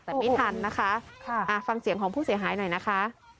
แต่ไม่ทันนะคะฟังเสียงของผู้เสียหายหน่อยนะคะ